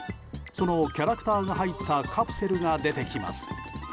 そのキャラクターが入ったカプセルが出てきます。